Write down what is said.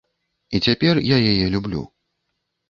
І цяпер я яе люблю.